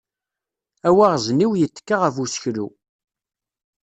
Awaɣzniw yettekka ɣef useklu.